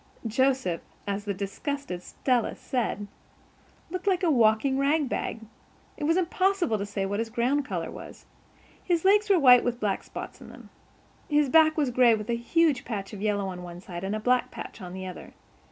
Joseph, as the disgusted Stella said, looked like a walking rag bag. It was impossible to say what his ground color was. His legs were white with black spots on them. His back was gray with a huge patch of yellow on one side and a black patch on the other.